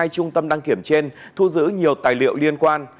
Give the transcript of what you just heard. hai trung tâm đăng kiểm trên thu giữ nhiều tài liệu liên quan